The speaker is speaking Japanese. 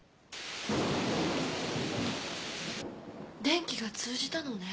電気が通じたのね。